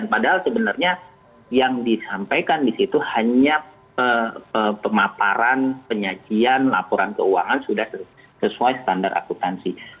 padahal sebenarnya yang disampaikan di situ hanya pemaparan penyajian laporan keuangan sudah sesuai standar akutansi